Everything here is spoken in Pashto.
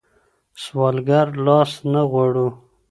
سوالګر لاس نه غواړو.